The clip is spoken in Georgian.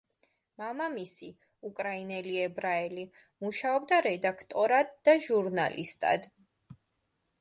მამამისი, უკრაინელი ებრაელი, მუშაობდა რედაქტორად და ჟურნალისტად.